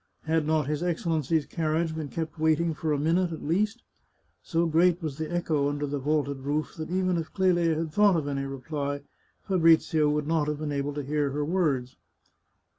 Had not his Excellency's carriage been kept waiting for a minute at least? So great was the echo under the vaulted roof that even if Clelia had thought of any reply, Fabrizio would not have been able to hear her words.